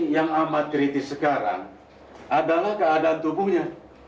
yang amat kritis sekarang adalah keadaan tubuhnya